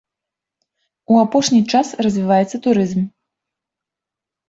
У апошні час развіваецца турызм.